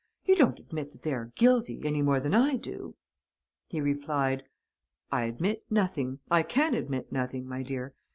You don't admit that they are guilty, any more than I do?" He replied: "I admit nothing, I can admit nothing, my dear.